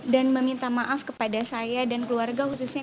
dan meminta maaf kepada saya dan keluarga khususnya